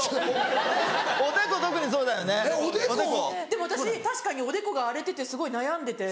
でも私確かにおでこが荒れててすごい悩んでて。